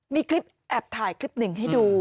มีคลิปแอบถ่ายคลิปหนึ่งให้ดู